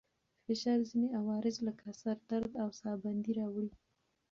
فشار ځينې عوارض لکه سر درد او ساه بندي راوړي.